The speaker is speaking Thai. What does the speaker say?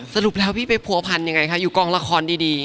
สรุปแล้วพี่ไปผัวพันยังไงคะอยู่กองละครดี